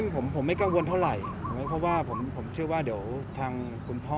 ซึ่งผมไม่กังวลเท่าไหร่เพราะว่าผมเชื่อว่าเดี๋ยวทางคุณพ่อ